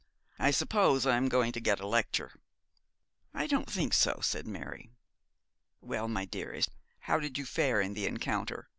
I suppose I am going to get a lecture.' 'I don't think so,' said Mary. 'Well, my dearest, how did you fare in the encounter?'